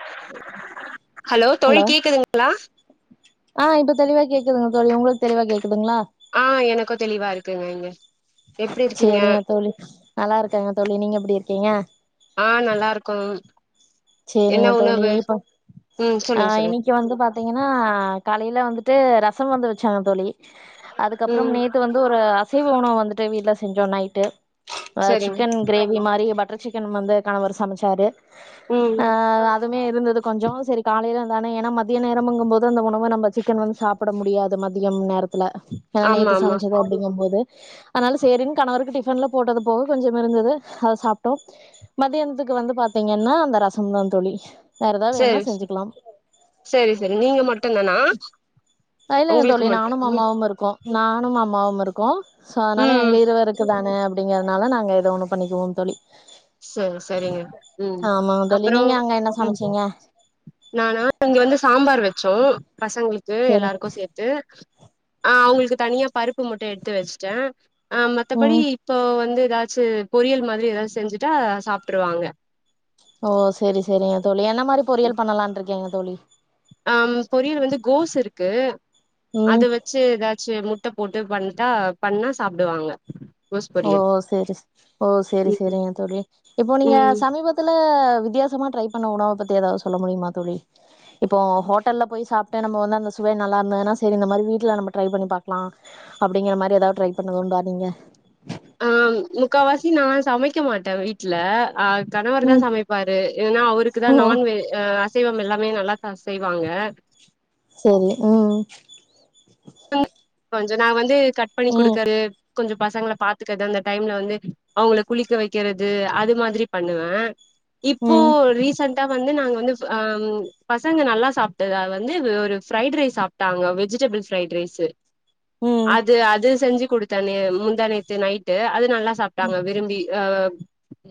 [inaudible] Hello தோழி கேக்குதுங்ளா ஆ இப்ப தெளிவா கேக்குதுங்க தோழி ஒங்குளுக்கு தெளிவா கேக்குதுங்ளா ஆ எனக்கு தெளிவா இருக்குங்க இங்க எப்டி இருக்கீங்க சேரிங்க தோழி நல்லா இருக்கங்க தோழி நீங்க எப்டி இருக்கீங்க ஆ நல்லா இருக்கோம் என்ன சேரிங்க தோழி உணவு இப்ப ம் ஆ சொல்லுங்க சொல்லுங்க இன்னைக் இங்க வந்து பாத்தீங்கன்னா காலையில வந்துட்டு ரசம் வந்து வச்சாங்க தோழி அதுக்கப்பறோ ம் நேத்து வந்து ஒரு அசைவ உணவு வந்துட்டு வீட்ல செஞ்சோ நைட்டு ஆஹ் சரிங்க சிக்கன் கிரேவி இந்த மாரி பட்டர் சிக்கன் வந்து கணவர் சமச்சாரு ம் ஆஹ் அதுவுமே இருந்தது கொஞ்சோ சேரி காலையில தானே ஏன்னா மதிய நேரம்ங்குபோது அந்த உணவு நம்ம சிக்கன் வந்து சாப் சாப்பிட முடியாது மதியம் நேரத்தில ஏனா ஆமா நேத்து ஆமா சமைச்து அப்டிங்குபோது அதனால சேரினு கணவருக்கு டிஃபன்ல போட்டது போக கொஞ்சோ இருந்தது அத சாப்ட்டோ மதியானத்துக்கு வந்து பாத்தீங்கன்னா அந்த ரசம் தா தோழி வேற ஏதாவது வேணுன்னா சேரி செஞ்சுக்கலாம் சேரி சேரி நீங்க மட்டு தானா இல்லேங்க உங்களுக்கு தோழி நானு மட்டும் ம் அம்மாவு இருக்கோ நானு அம்மாவு இருக்கோ சோ அதனால எங்க ம் இருவருக்கு தான அப்டிங்கிறதுனால நாங்க ஏதோ ஒண்ணு பண்ணிக்குவோ தோழி சே சேரிங்க ம் ஆமாங்க தோழி அப்புறோ நீங்க அங்க என்ன ம் சமச்சீங்க நானா இங்க வந்து சாம்பார் வச்சோ பசங்களுக்கு செரி எல்லாருக்கு சேத் து ஆஹ் அவுங்களுக்கு தனியா பருப்பு மட்டும் எடுத்து வச்சிட்டே அஹ் மத்தபடி ம் இப்போ வந்து ஏதாச்சு பொரியல் மாரி ஏதாச்சுசெஞ்சுட்டா சாப்ட்டுருவாங்க ஓ சேரி சேரிங்க தோழி என்ன மாரி பொரியல் பண்ணலானு இருக்கீங்க தோழி அம் பொரியல் வந்து கோஸ் இருக்கு ம் அத வச்சு ஏதாச்சு முட்ட போட்டு பண்ட்டா பண்ணா சாப்டுவாங்க கோஸ் ஓ பொரியல் சேரி ஓ சேரி ம் சேரிங்க தோழி இப்போ நீங்க ம் சமீபத்து துல வித்தியாசமா ட்ரை பண்ண உணவ பத்தி ஏதாவது சொல்ல முடியுமா தோழி இப்போ ஹோட்டல்ல போய் சாப்ட்டு நம்ம வந்து அந்த சுவை நல்லா இருந்ததுன்னா சேரி இந்த மாரி வீட்ல நம்ம ட்ரை பண்ணி பாக்கலா அப்டிங்கிற மாரி எதாவது ட்ரை பண்ணதுண்டா நீங்க ஆஹ் முக்காவாசி நா சமைக்க மாட்டே வீட்ல ஆஹ் கணவர் தா ம் சமைப்பாரு ஏன்னா கணவர் தா சமப்பாரு ஏன அவருக்கு தா ஓ நான்வெ ஆஹ் அசைவம் எல்லாமே நல்லாதா செய்வாங்க சேரி ம் [unintelligible] கொஞ்சோ நா வந்து கட் பண்ணி ம் குடுக்குறது கொஞ்சோ பசங்கள பாத்துக்கது அந்த டைம்ல வந்து அவுங்கள குளிக்க வைக்கிறது அது மாரி பண்ணுவே இப்போ ம் ரீசெண்டா வந்து நாங்க வந்து ஆஹ் பசங்க நல்லா சாப்ட்டத வந்து ஒரு ஃப்ரைடு ரைஸ் சாப்ட்டாங்க வெஜிடபிள்ஸ் ஃப்ரைடு ரைஸ்ஸு ம் ம் அது அது செஞ்சு குடுத்தே நே முந்தா நேத்து நைட் டு அது நல்லா சாப்ட்டாங்க விரும்பி ஆ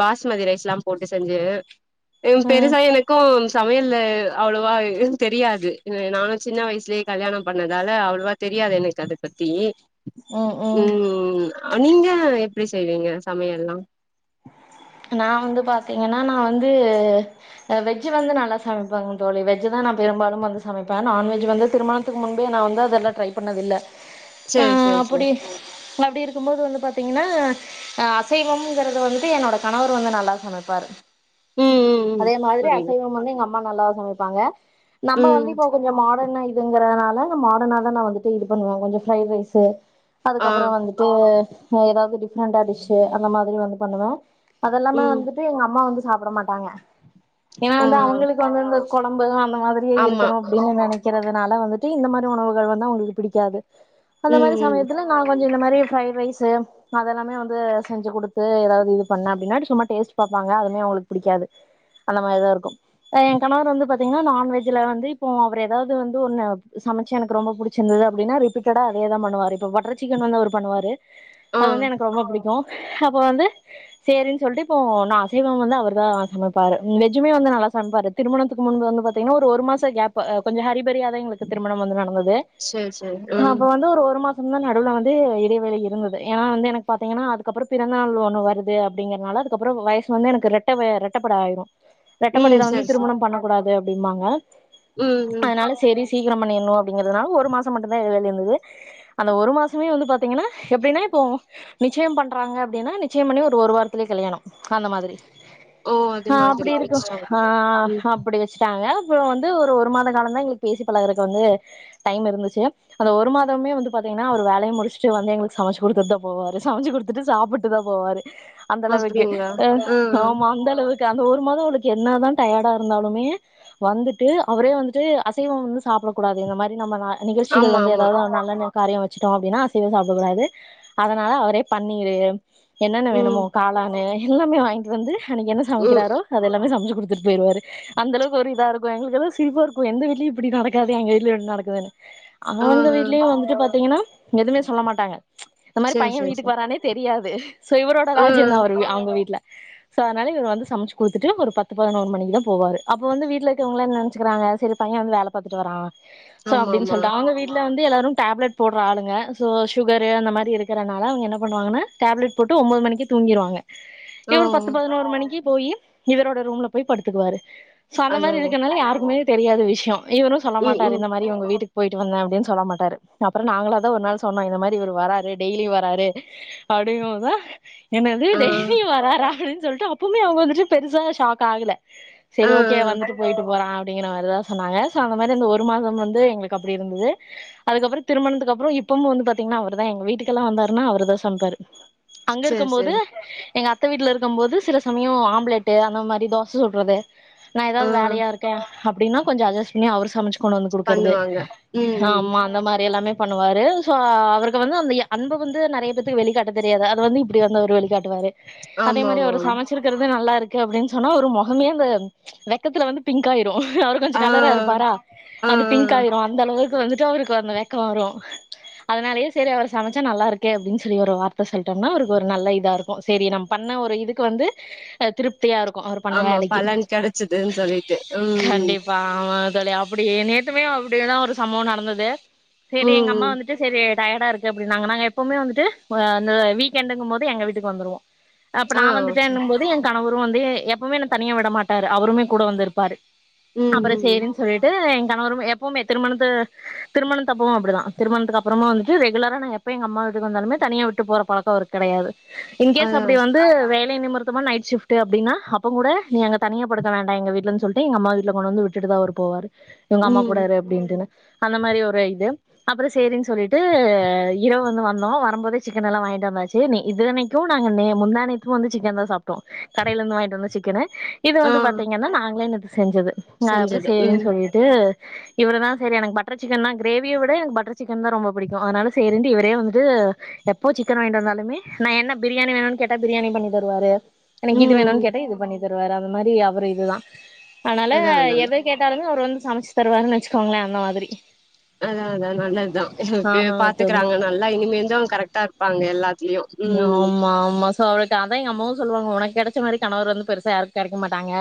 பாஸ்மதி ரைஸ்லா போட்டு செஞ்சு ம் பெருசா எனக்கு சமயல்ல அவ்வளோவா தெரியாது நானு சின்ன வயசுலேயே கல்யாணம் பண்ணதால அவ்வளவா தெரியாது எனக்கு அத பத்தி ம் நீங்க எப்டி செய்வீங்க சமயல் எல்லா நா வந்து பாத்தீங்கன்னா நா வந்து அஹ் வெஜ் வந்து நல்லா சமப்பேங்க தோழி வெஜ்ஜு தா பெரும்பாலு வந்து சமப்பே நான்வெஜ் வந்து திருமண திருமுன்பே நா வந்து அதெல்லா ட்ரை பண்ணது இல்ல [inaudible] ஆஹ் சேரி சேரி அப்டி அப்டி இருக்குபோது வந்து பாத்தீங்கன்னா ஆஹ் அசைவ [unintelligible] வந்துட்டு என்னோட கணவர் வந்து நல்லா சமைப்பாரு ம் ம் ம் அதே மாரி புரியுது அசைவம் வந்து எங்க அம் அம்மா நல்லா சமைப்பாங்க நம்ம ம் வந்து இப்ப கொஞ்சோ மாடர்னா இ அப்டிங்கறனால மாடர்னா தா நா வந்துட்டு இது பண்ணுவே கொஞ்சோ ஃபிரைடு ரைஸ்ஸு ஆ அதுக்கப்புறோ வந்துட்டு து ஆஹ் ஏதாவது டிஃப்ரெண்டா டிஷ்ஷு அந்த மாரி வந்து பண்ணுவே அதெல்லாமே ம் வந்துட்டு எங்க அம்மா வந்து சாப்பிட மாட்டாங்க ஏன்னா ஆ வந்து அவங்களுக்கு வந்து இந்த குழம்பு அந்த மாரி ஆமா இருக்கணுஅப்படின்னு நினைக்கிறதுனால வந்துட்டு இந்த மாரி உணவுகள் வந்து அவங்களுக்கு பிடிக்காது அந்த மாரி ம் ம் சமயத்துல நா கொஞ்ச இந்த மாரி ஃப்ரைட் ரைஸு அதெல்லாமே வந்து செஞ்சு குடுத் து ஏதாவது இது பண்ண அப்டின்னா சும்மா டேஸ்ட் பாப்பாங்க அதுவுமே அவுங்களுக்கு புடிக்காது அந்த மாரிதா இருக்கு ஆ ஏ கணவர் வந்து பாத்தீங்கன்னா நான்வெஜ்ல வந்து இப்போ அவர் ஏதாவது வந்து ஒன்னு சமைச்சு எனக்கு ரொம்ப புடி ச்சிருந்தது அப்டின்னா ரிப்பீடடா அதேதா பண்ணுவாரு இப்ப பட்டர் சிக்கன் வந்து அவர் பண்ணுவாரு ஆ அது வந்து எனக்கு ரொம்ப புடிக்கு அப்போ வந்து சேரின்னு சொல்ட்டு இப்போ நா அசைவம் வந்து அவர் தா சமைப்பாரு வெஜ்ஜுமே வந்து நல்லா சமைப்பாரு திருமணத்துக்கு முன்பு வந்து பாத்தீங்கன்னா ஒரு ஒரு மாச கேப்பு ஆ கொஞ்ச ஹரிபரியா தா எங்களுக்கு திருமணம் வந்து நடந்தது சேரி சேரி ம் அப்ப வந்து ஒரு ஒரு மாச ந்தா நடுவுல வந்து இடைவேளை இருந்தது ஏன்னா வந்து எனக்கு பாத்தீங்கன்னா அதுக்கப்புற பிறந்தாள் ஒன்னு வருது அப்டிங்கிறனால அதுக்கப்றோ வய‌ஸ் வந்து எனக்கு ரெட்ட வ ரெட்டப்பட ஆயிடு ம் ரெட்டப்படையில வந்து சரி சரி திருமணம் பண்ணக்க கூடாது அப்படிம்பாங்க ம் ம் அதனால செரி சீக்கிரம் பண்ணிட்ணு அப்டிங்கிறதுனால ஒரு மாசம் மட்டுந்தா இடைவேளை இருந்தது அந்த ஒரு மாசமே வந்து பாத்தீங்கன்னா எப்டின்னா இப்போ நிச்சயம் பண் றாங்க அப்டின்னா நிச்சயம் பண்ணி ஒரு வாரத்துலே கல்யாணம் அந்த மாதிரி ஓ அது ஆ மாதிரி அப்டி இருக்கு எக்ஸ்ட்ரா ஆ ம் அப்டி வெ ச்சுட்டாங்க அப்புறோ வந்து ஒரு ஒரு மாத காலந்தா எங்களுக்கு பேசி பழகறக்கு வந்து டைம் இருந்துச்சு அந்த ஒரு மாதமே வந்து பாத்தீங்கன்னா அவர் வேலைய முடிச்சுட்டு வந்து எங்களுக்கு சமைச்சு குடுத்துதா போவாரு சமைச்சு குடுத் துட்டு சாப்புட்டு தா போவாரு அந்தளவுக்கு அப்டிங்களா ஆ ம் ம் ஆமா அந்தளவுக் கு அந்த ஒரு மாத அவளுக்கு என்ன தா டயர்டா இருந்தாலுமே வந்துட்டு அவரே வந்துட்டு அசைவ வந்து சாப்புடக் கூடாது இந்த மாரி நம்ம நா நிகழ்ச்சிகள் ஆமா வந்து ஆமா ஏதாது நல்ல நேர காரிய வச்சுட்டோ அப்டின்னா அசைவ சாப்டக் கூடாது அதனால அவரே பன்னீரு என்னென்ன ம் வேணுமோ காளானு எல்லாமே வாங்கிட்டு வந்து அன்னைக்கு என்ன ம் சமைக்கிறாரோ அது எல்லாமே சமச்சு குடுத்துட்டு போயிடுவாரு அந்தளவுக்கு ஒரு இதா இருக்கு எங்களுக்குலா சிரிப்பா இருக் இப்ப எந்த வீட்லியு இப்டி நடக்காது எங்க வீட்ல எப்டி நடக்குதுன்னு ஆ ஆ அவங்க வீட்லேயே வந்து பாத்தீங்கன்னா எதுவுமே சொல்ல மாட்டாங்க இந்த மாரி சேரி பைய சேரி வீட்டுக்கு சேரி வரானே தெரியாது சோ இவரோட ஆ ராஜ்யம் தா அவரு அவுங்க வீட்ல சோ அதனால இவர் வந்து சமச்சு குடுத்துட்டு ஒரு பத்து பதினோரு மணிக்குதா போவாரு அப்போ வந்து வீட்ல இருக்கவங்கள்லா என்ன நெனச்சிக்கிறாங்க செரி பைய வந்து வேல பாத்துட்டு வராங்க சோ ஆமா அப்டின்னு ஆமா சொல்ட்டு அவுங்க வீட் வீட்ல வந்து எல்லாரு டேப்லெட் போட்ற ஆளுங்க சோ சுகரு அந்த மாரி இருக்கறனால அவுங்க என்ன பண்ணுவாங்கான்னா டேப்லெட் போட்டு ஒம்போது மணிக்கே தூங்கிருவாங்க ஆ இவரு பத்து பதினோரு மணிக்கு போயி இவரோட ரூம்ல போய் படுத்துக்குவாரு சோ அந்த அதா மாரி அதா இருக்கனால யாருக்குமே தெரியாத விஷயம் இவரு சொல்ல ம் மாட்டாரு ம் இந்தமாரி இவங்க வீட்டுக்கு போயிட்டு வந்த அப்டின்னு சொல்ல மாட்டாரு அப்புற நாங்களா தா ஒரு நாள் சொன்னோ இந்த மாரி இவரு வராரு டெய்லி வராரு அப்டிங்கபோதா என்னது ஆ டெய்லி வராறா அப்டின் சொல்ட்டு அப் இப்பவுமே அவங்க வந்துட்டு பெருசா ஷாக் ஆகல ஆ ஆ சரி ஓகே வந்துட்டு போயிட்டு போறா அப்டிங்கற மாரிதா சொன்னாங்க சோ அந்த மாரி அந்த ஒரு மாதம் வந்து எங்களுக்கு அப்டி இருந்தது அதுக்கப்புற திருமணத்துக்கு அப்புற இப்பமு வந்து பாத்தீங்கன்னா அவர் தா எங்க வீட்டுக்கெல்ல வந்தாருன்னா அவர் இவர் தா சமைப்பாரு அங்க சேரி இருக்கும் போது சேரி எங்க அத்த வீட்ல இருக்கும்போது சில சமயம் ஆம்லேட்டு அந்த மாரி தோச சுட்றது நா ஆ ஏதாவது வேலையா இருக்கே அப்டின்னா கொஞ்ச அட்ஜஸ் பண்ணி அவர் சமைச்சு கொண்டு வந்து குடுக்கறது பண்ணுவாங்க ம் ம் ஆமா அந்த மாரி எல்லாமே பண்ணுவாரு சோ அவருக்கு வந்து அந்த அன்ப வந்து நெறைய க்கு வெளிக்காட்ட தெரியாது அது வந்து இப்டி வந்து அவர் வெளிகாட்டுவாரு அதே ஆமா மாரி ஆமா அவரு ஆமா சமச் வச்சிருக்கிறது நல்லாருக்கு அப்டின்னு சொன்னா அவரு மொகமே வெ வெக்கத்துல வந்து பிங்க் ஆயிரு அவர் கொஞ்ச ஆ கலரா இருப்பாரா ஆ அது ஆ பிங்க் ஆயிரு அந்தளவுக்கு வந்துட்டு அவருக்கு அந்த வெக் கோ வரு அதனாலயே சரி அவர் சமைச்சா நல்லாருக்கே அப்டின் சொல்லி ஒரு வார்த்த சொல்ட்டோம்னா அவருக்கு ஒரு நல்ல இதா இருக்கு சேரி நம்ம பண்ண ஒரு இதுக்கு வந்து திருப்தியா இருக்கு அவரு பண்ண ஆமா வேலைக்கு பலன் கெடச்சதுன்னு சொல்லிட்டு ம் ம் கண்டிப்பா ஆமா தோழி அப்டியே நேத்துமே அப்டிதா ஒரு சம்பவ நடந்தது சேரி ம் எங்க அம்மா ம் வந்துட்டு சேரி டயர்டா இருக்கு அப்டின்னாங்க நாங்க எப்பவுமே வந்துட்டு அந்த வீக்கெண்டுங்கு போது எங்க வீட்டுக்கு வந்துருவோ அப்ப ஆ நா சரி வந்துட்டேன்னு போது என் கணவரு வந்து எப்பமே என்ன தனியா விடமாட்டாரு அவருமே கூட வந்து இருப்பாரு ம் அப்பற ம் சரின் சொல்ட்டு என் கனவரு எப்பமே திருமணத்து திருமணதப்பவு அப்டிதா திருமணத்துக்கு அப்பறமா வந்துட்டு ரெகுலரா நா எப்ப எங்க அம்மா வீட்டுக்கு வந்தாலுமே தனியா விட்டு போற பழக்க அவருக் கெடையாது இன்கேஸ் அதா அப்டி வந்து வேலை நிமிர்த்தமா நைட் ஷிப்ட் அப்டின்னா அப்பங் கூட நீ அங்க தனியா படுக்க வேண்டா எங்க வீட்டுலன் சொல்ட்டு எங்க அம்மா வீட்ல கொண்டு வந்து விட்டுட்டுதா அவரு போவாரு உங்க அம்மா கூட ம் இரு அப்டின்ட்டுனு அந்த மாரி ஒரு இது அப்பற சரின் சொல்லிட்டு இரவு வந்து வந்தோ வரும்போது சிக்கன் எல்லா வாய்ன்ட்டு வந்தாச்சு இத்தனைக்கு நாங்க முந்தா நேத்து வந்து சிக்கன் தா சாப்ட்டோ கடைலந்து வாய்ன்ட்டு வந்த சிக்கனு இது ஆ வந்து பாத்தீங்கனா நாங்களே நேத்து செஞ்சது அப்பற செஞ்சது சேரின் ம் சொல்லிட்டு இவரதா சரி எனக்கு பட்டர் சிக்கன் தா கிரேவிய விட எனக்கு பட்டர் சிக்கன் தா ரொம்ப புடிக்கு அதனால சேரின்ட்டு இவரே வந்து எப்போ சிக்கன் வாங்கிட்டு வந்தாலுமே நா என்ன பிரியாணி வேணுன் கேட்டா பிரியாணி பண்ணி தருவாரு எனக்கு இது ம் வேணுன் கேட்டா இது பண்ணி தருவாரு அந்த மாரி அவரு இதுதா அதனால அதா அதா எத கேட்டாலுமே அவரு வந்து சமச்சு தருவாருன் வெச்சுக்கோங்களே அந்த மாதிரி ஆனா அதா நல்லத்தா இப்டியே ஆமா தோழி பாத்துக்கறாங்க நல்லா இனிமேலு கரெக்ட்டா இருப்பாங்க எல்லாத்லயு நியாமா ஆமாஸ் ஸோ அவருக்கு அதா எங்க அம்மாவு சொல்வாங்க உனக் கெடச்ச மாரி கணவர் வந்து பெருசா யாருக் கெடைக்க மாட்டாங்க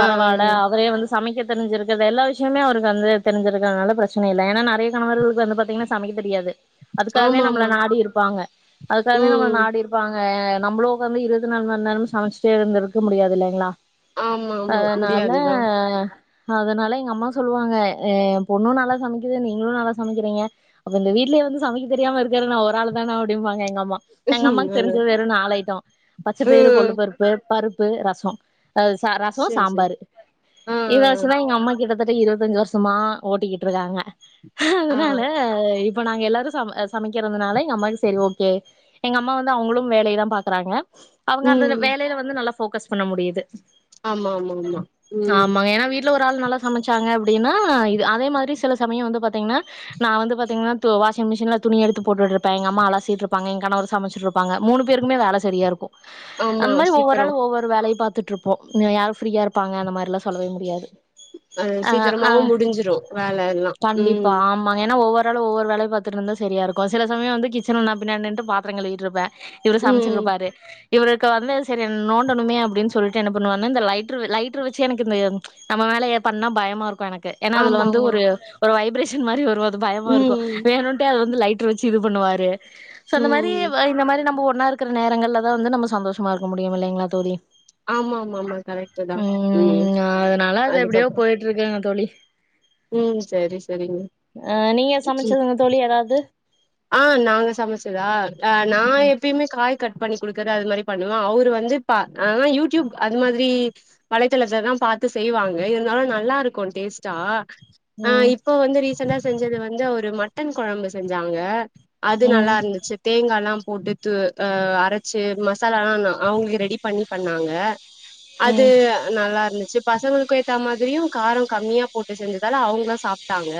ஆ ஆ அவரே வந்து சமைக்க தெரிஞ்சிருக்கிறது எல்லா விஷயமே அவக்கு வந்து தெரிஞ்சிருக்கு அதுனால வந்து பிரச்சன இல்ல ஏன்னா நெறய கணவர்களுக்கு வந்து பாத்தீங்னா சமைக்க தெரியாது அதுக்காகவே ஆமா நம்மள ஆமா நாடி இருப்பாங்க அதுக்காகவே நம்மள ம் நாடி இருப் பாங்க நம்ளு உக்காந்து இருபத்து நாலு மணி நேரமு சமைச்சுட்டே இருந் இருக்க முடியாது இல்லைங்ளா ஆமா ஆமா அதனால முடியாதுதா அதனால எங்க அம்மா சொல்லுவாங்க எ பொண்ணு நல்லா சமைக்குது நீங்களு நல்லா சமைக்கிறீங்க அப்ப இந்த வீட்ல இருந்து சமைக்க தெரியாம இருக்குறது நா ஒரு ஆளு தானா அப்படிம்பாங்க எங்க அம் எங்க அம்மாக்கு நானு தெரிஞ்சது வெறும் நாலு ஐட்ட பச்சப்பயிரு கொள்ளு ம் பருப்பு பருப்பு ரச அது ச ரச சேரி சேரி சாம்பாரு ஆ இத வச்சுதா எங்க அம்மா கிட்டத்தட்ட இருபத்தஞ்சு வருஷமா ஓட்டிக்கிட்டு இருக்காங்க ஆ ஆ அதனால இப்ப நாங்க எல்லாரு ச சமைக்கிறதுனால எங்க அம்மாக்கு சரி ஓ கே எங்க அம்மா வந்து அவங்களு வேலையதா பாக்குறாங்க அவங்க அந்த ம் வேலைல வந்து நல்லா ஃபோக்கஸ் பண்ண முடியுது ஆமா ஆமா ஆமா ம் ஆமா ஏன்னா வீட் ல ஒரு ஆள் நல்லா சமச்சாங்க அப்டினா இது அதே மாரி சில சமயோ வந்து பாத்தீங்கனா நான் வந்து பாத்தீங்கனா வாஷிங் மிஷின்ல துணி எடுத்து போட்டுட்ருப்ப எங்க அம்மா அலசீட்ருப் ப்பாங்க ஏ கணவர் சமச்சிட் இருப்பாங்க மூணு பேருக்குமே வேல சரியா இருக்கு ஆமா அந்த மாரி ஒவ்வொரு சீக்கிரோ ஆளு ஒவ்வொ ஒரு வேலைய பாத்துட்ருப்போ யாரும் ஃரீயா இருப்பாங்க அந்த மாரிலா சொல்லவே முடியாது அ ஆ ஆ சீக்கிரமாவு முடிஞ்சிரு வேல எல்லா ம் ம ஏனா ஒவ்வொ ஆளு ஒவ்வரு வேலைய பாத்துட்டுருந்தா சரியா இருக்கு சில சமயம் வந்து கிச்சன்ல நா பின்னாட் நின்ட்டு பாத்ரோ கழுவீட்டிருப்ப இவரு சமைச்சுட் ம் இருப்பாரு இவருக்கு வந்து சரி நோண்டணுமே அப்டின் சொல்ட்டு என்ன பண்ணுவனா இந்த லைட்டரு லைட்டரு வெச்சு எனக்கு இந்த நம்ம மேலயே பண்ணா பயமா இருக்கு எனக்கு ஏன்னா அதுல ஆமா வந்து ஆமா ஒரு வைப்ரேஷன் மாரி வரு அது பயமா இருக்கு ம் வேணுன்ட்டே அது வ வந்து லைட்டர் வெச்சு இது பண்ணுவாரு சொன்ன மாரி ம் இந்த மாரி நம்ம ஒன்னா இருக்கிற நேரங்கள்லதா வந்து நம்ம சந்தோஷமா இருக்க முடியு இல்லைங்களா தோழி ஆமா மா மா கரெக்ட் தா ம் அதனால அது எப்படியோ போயிட்டு இருக்குங்க தோழி சரி சரிங்க அ நீங்க சமைச்சதுங்க தோழி எதாவது ஆ நாங்க சமைச்சதா ஆ நா எப்பயுமே காய் கட் பண்ணி குடுக்குற அது மாதிரி பண்ணுவ அவரு வந்து இப்ப அதா யூடியூப் அந் மாதிரி வளைத்தளத்த தா பாத்து செய்வாங்க இருந்தாலு நல்லா இருக்கு டேஸ்ட்டா அ ம் இப்ப வந்து ரீசன்டா செஞ்சது வந்து ஒரு மட்டன் கொழம்பு செஞ்சாங்க அது நல்லா ம். இருந்துச்சிப் தேங்காலா போட்டு து அ அரைச்சி மசாலாலா அவுங்களுக்கு ரெடி பண்ணி பண்ணாங்க அது ம் நல்லா இருந்துச்சி பசங்களுக் ஏத்தா மாதிரியு காரம் கம்மியா போட்டு செஞ்சதால அவங்களு சாப்ட்டாங்க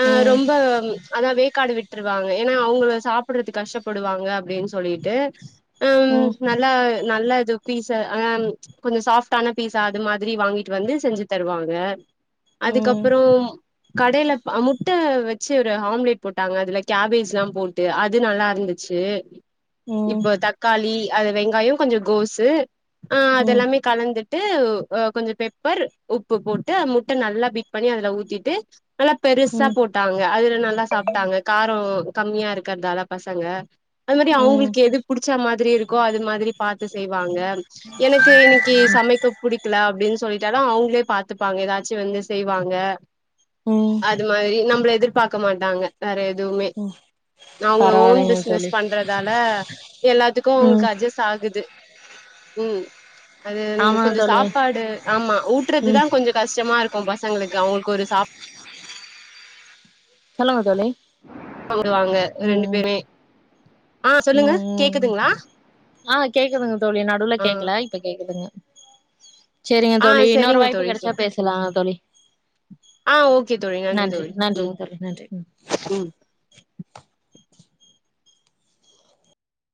ஆ ம் ரொம்ப அதா வே க்காடு விட்டுருவாங்க ஏனா அவுங்ள சாப்ட்றதுக்கு கஷ்டப்படுவாங்க அப்டின் சொல்லிட்டு ம் நல்லா நல்ல இது பீச ஆம் கொஞ்ச சாஃப்ட்டான பீஸா அது மாதிரி வாங்கிட்டு வந்து செஞ்சி தருவாங்க ம் அதுக்கப்புரோ கடயல ப முட்ட வச்சி ஒரு ஆம்லெட் போட்டாங்க அதுல கேபேஜ்லா போட்டு அது நல்லா இருந்துச்சி ம் இப்ப தக்காளி அது வெங்காயோ கொஞ்ச கோசு ஆ ம் அததெல்லாமே கலந்துட்டு கொஞ்ச பெப்பர் உப்பு போட்டு முட்ட நல்லா பீட் பண்ணி அதுல ஊத்திட்டு நல்லா பெருஸ்சா ம் போட்டாங்க அதுல நல்லா சாப் காரோ கம்மியா இருக்கறதால பசங்க அது மாரி ம் அவங்களுக் எது புடிச்ச மாதிரி இருக்கோ அது மாதிரி பார்த்து செய்வாங்க எனக்கு இன்னக்கி சமைக்க புடிக்கல அப்டின் சொல்லிட்டாலு அவுங்ளே பாத்துப்பாங்க ஏதாச்சு வந்து செய்வாங்க ம் அது மாதிரி நம்மள எதிர்பாக்க மாட்டாங்க வேற எது எதுமே நா உங்ள ஓன் பரவாயில்லைங்க பிசினஸ் தோழி பன் றதால எல்லாத்துக்கு உங்ளுக்கு ம் அட்ஜஸ் ஆகுது ம் அது ஆமாங்க கொஞ்ச தோழி சாப்பாடு ஆமா ம் ஊட்டுறதுதா கொஞ்சம் கஷ்டமா இருக்கு பசங்களுக்கு அவுங்களுக் ஒரு சாப் சொல்லுங்க தோழி சாப்டுவாங்க ரெண்டு ம் பேருமே ஆ சொல்லுங்க ம் ம் கேக்குதுங்களா ஆ கேக்குதுங்க தோழி நடுவுல ஆ கேக்ல இப்ப கேக்குதுங்க சரிங்க ஆ தோழி இன்னொரு சரிங்க வாய்ப்பு தோழி கடச்சா சரி பேசலா தோழி ஆ ஓகே தோழி நன்றி தோழி ம் நன்றிங்க தோழி நன்றி ம் ம்